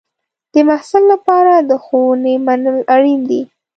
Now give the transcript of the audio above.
د محصل لپاره د ښوونې منل اړین دی.